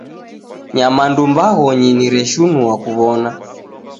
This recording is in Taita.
Nyamandu mbaghonyi nireshinua kuwona.